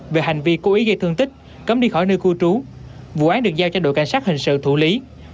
về hành vi cố ý gây thương tích cấm đi khỏi nơi cư trú vụ án được giao cho đội cảnh sát hình sự thủ lý